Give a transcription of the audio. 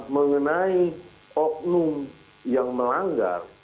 mengenai oknum yang melanggar